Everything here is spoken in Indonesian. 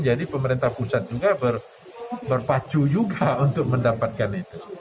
jadi pemerintah pusat juga berpacu juga untuk mendapatkan itu